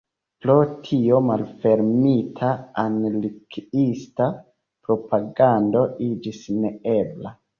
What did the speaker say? Pro tio malfermita anarkiista propagando iĝis neebla.